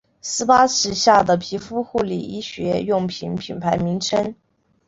施巴旗下的皮肤护理医学用品品牌名称。